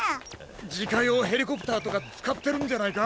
じかようヘリコプターとかつかってるんじゃないか？